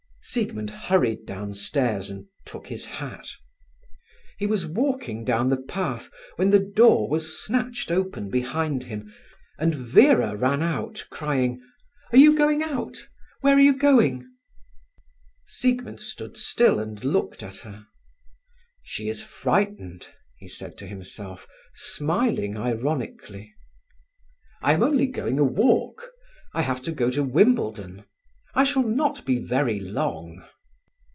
Siegmund hurried downstairs and took his hat. He was walking down the path when the door was snatched open behind him, and Vera ran out crying: "Are you going out? Where are you going?" Siegmund stood still and looked at her. "She is frightened," he said to himself, smiling ironically. "I am only going a walk. I have to go to Wimbledon. I shall not be very long."